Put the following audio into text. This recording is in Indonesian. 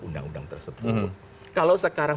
undang undang tersebut kalau sekarang